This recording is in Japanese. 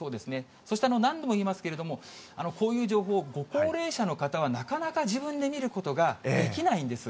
そして何度も言いますけれども、こういう情報、ご高齢者の方は、なかなか自分で見ることができないんです。